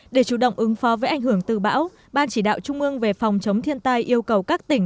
để chủ động ứng phó với ảnh hưởng từ bão ban chỉ đạo trung ương về phòng chống thiên tai yêu cầu các tỉnh